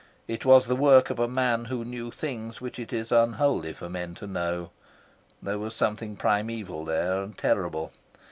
It was the work of a man who knew things which it is unholy for men to know. There was something primeval there and terrible.